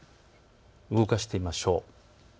動かしてみましょう。